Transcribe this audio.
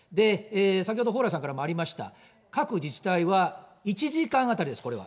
先ほど蓬莱さんからもありました、各自治体は１時間当たりです、これは。